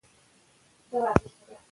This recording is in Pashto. که پلاستیک ونه کاروو نو ځمکه نه خرابېږي.